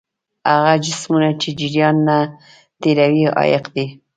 هغه جسمونه چې جریان نه تیروي عایق دي.